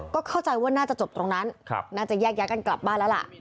ก็เข้าใจว่าน่าจะจบตรงนั้นน่าจะแยกย้ายกันกลับบ้านแล้วล่ะ